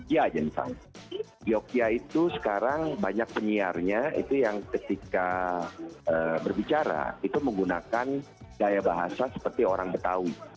ya jadi yogyakarta itu sekarang banyak penyiarnya itu yang ketika berbicara itu menggunakan gaya bahasa seperti orang betawi